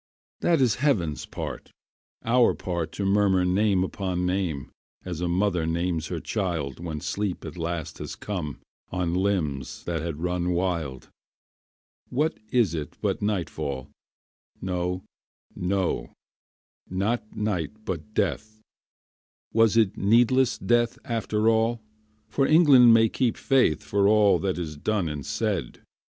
That is heaven's part, our part To murmur name upon name, As a mother names her child When sleep at last has come On limbs that had run wild. What is it but nightfall? No, no, not night but death; Was it needless death after all? For England may keep faith For all that is done and said.